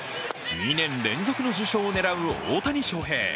２年連続の受賞を狙う大谷翔平。